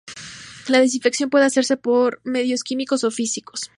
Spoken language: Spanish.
La desinfección puede hacerse por medios químicos o físicos.